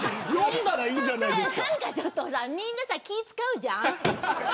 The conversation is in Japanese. みんな気を使うじゃん。